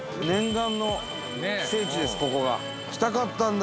伊達：来たかったんだ！